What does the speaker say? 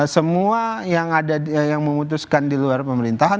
semua yang ada yang memutuskan di luar pemerintahan